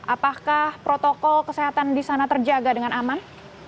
apakah protokol kesehatan di sana terjaga dengan aman